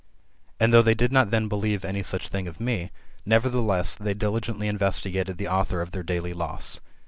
And though they did not then believe any such thing of me, nevertheless, they diligently investigated the author of their daily loss.